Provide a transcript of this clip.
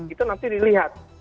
itu nanti dilihat